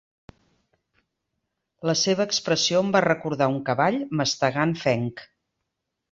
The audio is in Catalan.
La seva expressió em va recordar un cavall mastegant fenc.